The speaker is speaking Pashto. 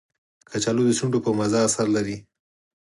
کچالو د شونډو پر مزه اثر لري